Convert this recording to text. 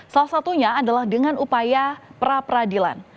salah satunya adalah dengan upaya pra peradilan